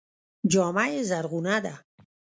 جامه یې زرغونه ده.